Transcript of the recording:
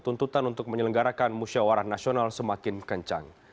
tuntutan untuk menyelenggarakan musyawarah nasional semakin kencang